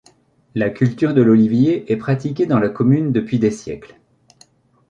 La culture de l’olivier est pratiquée dans la commune depuis des siècles.